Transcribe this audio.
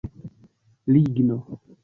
Ligno